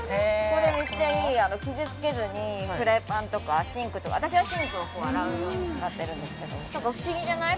これめっちゃいい傷つけずにフライパンとかシンクとか私はシンクを洗う用に使ってるんですけど何か不思議じゃない？